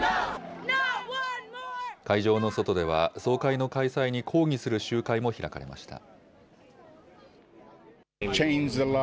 会場の外では、総会の開催に抗議する集会も開かれました。